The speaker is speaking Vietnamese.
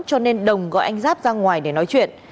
cho nên đồng gọi anh giáp ra ngoài để nói chuyện